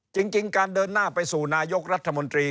จริงการเดินหน้าไปสู่นายกรัฐมนตรี